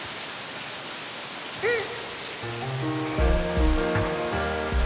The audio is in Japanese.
うん。